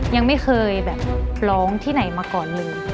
ยังไม่เคยแบบร้องที่ไหนมาก่อนเลย